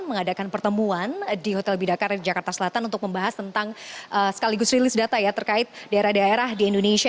mengadakan pertemuan di hotel bidakari jakarta selatan untuk membahas tentang sekaligus rilis data ya terkait daerah daerah di indonesia